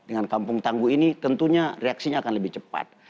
dengan kampung tangguh ini tentunya reaksinya akan lebih cepat